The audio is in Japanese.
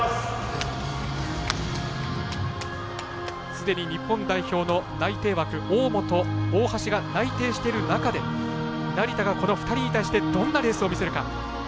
すでに日本代表の内定枠、大本、大橋が内定している中で成田が、この２人に対してどんなレースを見せるか。